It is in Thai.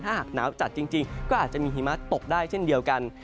ถ้าหากหนาวจัดจริงก็อาจจะมีหิมะตกได้เช่นเดียวกัน